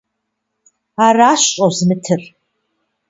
Аращ щӀозмытыр!